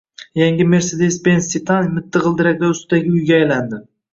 Yangi Mercedes-Benz Citan mitti g‘ildiraklar ustidagi uyga aylandi